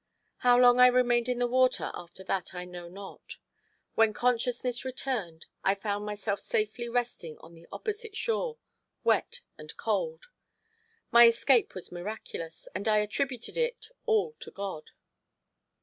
How long I remained in the water after that I know not. When consciousness returned I found myself safely resting on the opposite shore, wet and cold. My escape was miraculous, and I attributed it all to God.